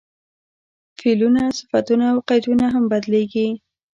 فعلونه، صفتونه او قیدونه هم بدلېږي.